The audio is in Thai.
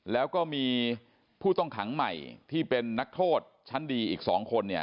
แล้วก็มีผู้ต้องขังใหม่ที่เป็นนักโทษชั้นดีอีก๒คนเนี่ย